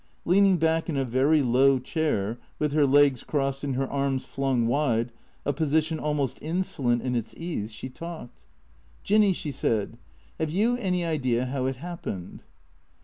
Leaning back in a very low chair, with her legs crossed and her arms flung wide, a position almost insolent in its ease, she talked. "Jinny," she said, "have you any idea how it happened?"